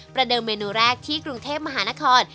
เดิมเมนูแรกที่กรุงเทพมหานคร